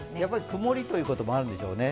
曇りということもあるんでしょうね。